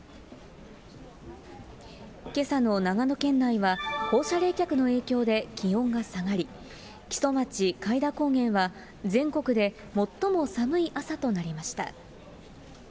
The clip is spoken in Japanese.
けさの長野県内は、放射冷却の影響で気温が下がり、木曽町開田高原は、全国で最も寒い朝となりました。